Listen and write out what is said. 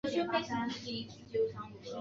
大多数课程也有大专文凭授予学生。